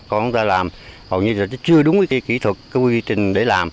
còn chúng ta làm hầu như chưa đúng kỹ thuật quy trình để làm